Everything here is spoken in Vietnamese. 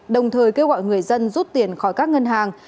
đồng thời kêu gọi người dân rút tiền khỏi các ngân hàng